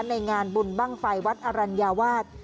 ในงานบุญบ้างไฟวัดอรัญญาวาส